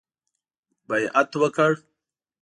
بیعت وکړ.